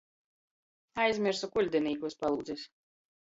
Aizmiersu kuļdinīku iz palūdzis.